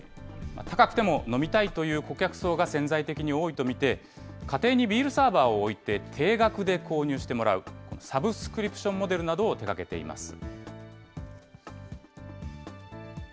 高くても飲みたいという顧客層が潜在的に多いと見て、家庭にビールサーバーを置いて、定額で購入してもらう、サブスプリクションモデルなどを手がけています。